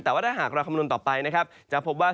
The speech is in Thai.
แต่ว่าถ้าหากเราคำนวณต่อไปนะครับจะพบว่า